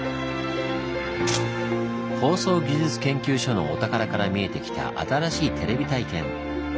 放送技術研究所のお宝から見えてきた新しいテレビ体験。